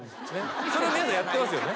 それを皆さんやってますよね？